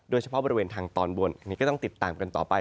โดยเฉพาะบริเวณทางตอนบนอันนี้ก็ต้องติดตามกันต่อไป